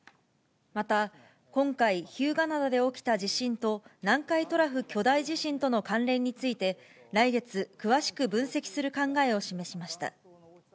また、今回、日向灘で起きた地震と、南海トラフ巨大地震との関連について、来月、詳しく分析する考えを示しました。